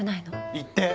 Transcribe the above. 言って。